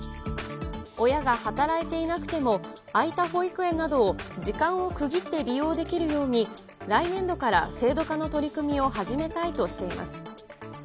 親が働いていなくても、空いた保育園などを時間を区切って利用できるように、来年度から制度化の取り組みを始めたいとしています。